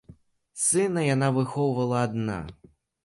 Сына яна выхоўвала адна.